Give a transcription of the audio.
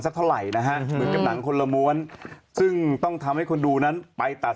ซักเท่าไหร่นะฮะคุณละมวลซึ่งต้องทำให้คนดูนั้นไปตัด